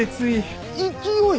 勢い